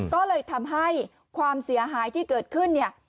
ก็เลยทำให้ความเสียหายที่เกิดขึ้นเนี่ย